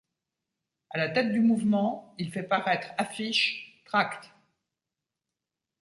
À la tête du mouvement, il fait paraître affiches, tracts.